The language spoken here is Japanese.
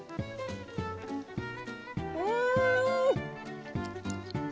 うん！